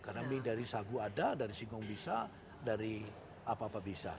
karena mie dari sagu ada dari singgung bisa dari apa apa bisa